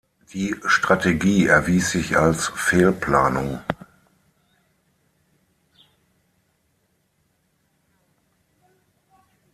Die Strategie erwies sich als Fehlplanung.